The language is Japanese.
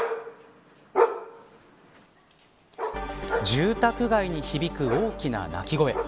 住宅街に響く大きな鳴き声。